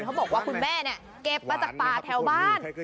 เขาบอกว่าคุณแม่เนี่ยเก็บมาจากป่าแถวบ้าน